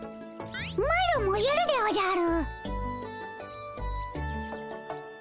マロもやるでおじゃる！